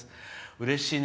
うれしいね。